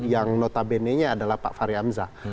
yang notabene nya adalah pak fahri hamzah